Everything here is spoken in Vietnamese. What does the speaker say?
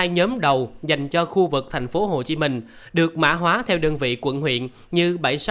hai mươi hai nhóm đầu dành cho khu vực tp hcm được mã hóa theo đơn vị quận huyện như bảy trăm sáu mươi bảy trăm sáu mươi một bảy trăm sáu mươi hai